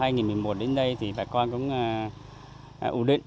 năm hai nghìn một mươi một đến đây thì bà con cũng ủ định